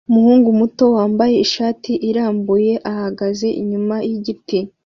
Umuhungu muto wambaye ishati irambuye ahagaze inyuma yigiti